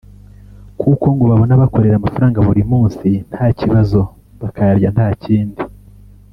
kuko ngo babona bakorera amafaranga buri munsi nta kibazo bakayarya nta kindi